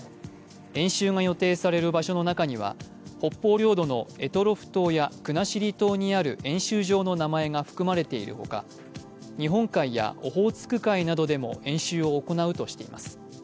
演習が予定される場所の中には北方領土の択捉島や国後島にある演習場の名前が含まれているほか、日本海やオホーツク海などでも演習を行うとしています。